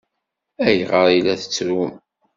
Ayɣer i la tettrum?